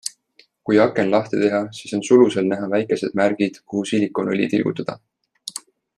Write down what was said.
Kui aken lahti teha, siis on sulusel näha väikesed märgid, kuhu silikoonõli tilgutada.